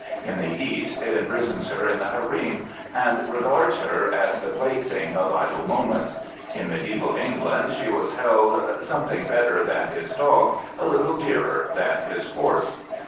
In the East it imprisons her in the harem and regards her as the pla3^hing of idle moments. In mediaeval England she was held "Something better than his dog, a little dearer than his horse."